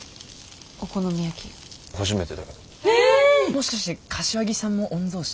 もしかして柏木さんも御曹子？